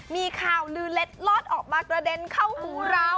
มีข่าวลือเล็ดลอดออกมากระเด็นเข้าหูร้าว